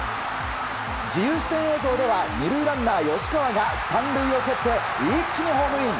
自由視点映像では２塁ランナー、吉川が３塁を蹴って一気にホームイン。